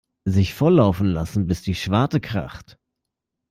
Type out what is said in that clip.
Sich volllaufen lassen bis die Schwarte kracht.